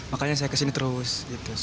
makanya saya kesini terus